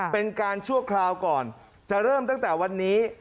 เป็นการชั่วคราวก่อนจะเริ่มตั้งแต่วันนี้